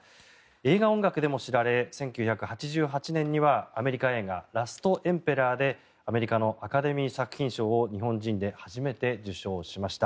映画音楽でも知られ１９８８年にはアメリカ映画「ラストエンペラー」でアメリカのアカデミー作品賞を日本人で初めて受賞しました。